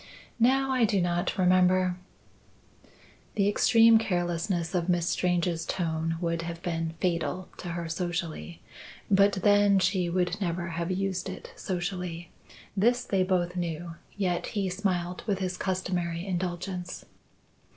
"No, I do not remember." The extreme carelessness of Miss Strange's tone would have been fatal to her socially; but then, she would never have used it socially. This they both knew, yet he smiled with his customary indulgence.